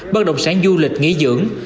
bất động sản du lịch nghỉ dưỡng